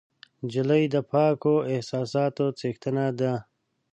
نجلۍ د پاکو احساسونو څښتنه ده.